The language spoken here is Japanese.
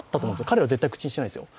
彼らは絶対口にしないですよ。